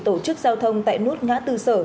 tổ chức giao thông tại nút ngã tư sở